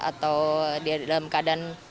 atau dia dalam keadaan